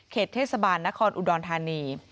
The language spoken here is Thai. เทศบาลนครอุดรธานี